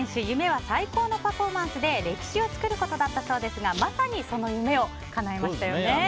夢は最高のパフォーマンスで歴史を作ることだったそうですがまさにその夢をかなえましたよね。